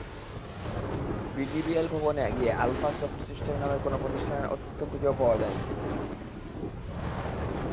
BDBL ভবনে গিয়ে Alpha Soft System নামের কোনো প্রতিষ্ঠানের অস্তিত্ব খুঁজেও পাওয়া যায়নি।